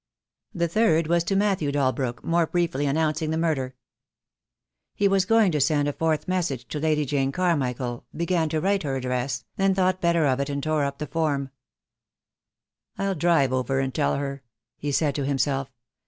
The third was to Matthew Dalbrook, more briefly an nouncing the murder. The Day will come. I. 6 82 THE DAY WILL COME. He was going to send a fourth message to Lady Jane Carmichael, began to write her address, then thought better of it, and tore up the form. "Ill drive over and tell her," he said to himself.